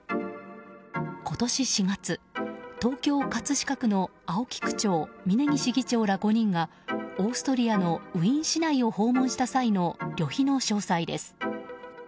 今年４月、東京・葛飾区の青木区長、峯岸議長ら５人がオーストラリアのウィーン市内を訪問した際の旅費の詳細です。